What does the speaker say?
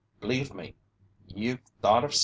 Bleeve me, you've thought of somethin'!"